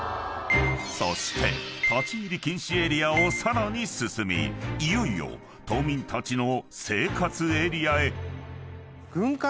［そして立ち入り禁止エリアをさらに進みいよいよ島民たちの］